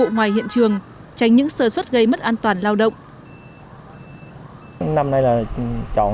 nhiệm vụ ngoài hiện trường tránh những sơ suất gây mất an toàn lao động